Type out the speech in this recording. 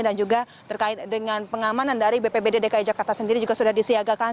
juga terkait dengan pengamanan dari bpbd dki jakarta sendiri juga sudah disiagakan